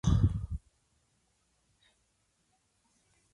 Otra confirmación para esto en una gira extensa y exitosa por Alemania en octubre.